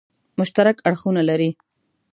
مشترک اړخونه لري.